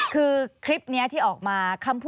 คือคลิปนี้ที่ออกมา